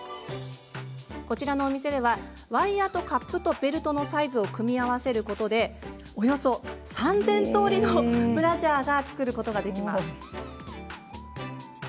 こちらのお店ではワイヤーとカップとベルトのサイズを組み合わせることでおよそ３０００とおりのブラジャーが作ることができます。